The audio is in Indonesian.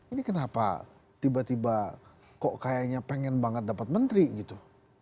ini kenapa tiba tiba kok kayaknya pengen banget dapat menteri gitu